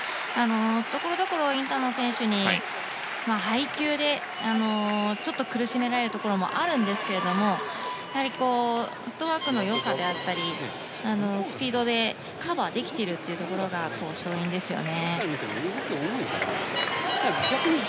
ところどころインタノン選手に配球で苦しめられるところもあるんですがフットワークの良さであったりスピードでカバーできているというところが勝因ですよね。